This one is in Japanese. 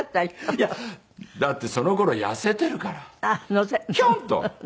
いやだってその頃痩せてるからヒョンっと。